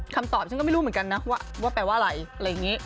คำตอบฉันก็ไม่รู้เหมือนกันนะว่าแปลว่าอะไรอะไรอย่างนี้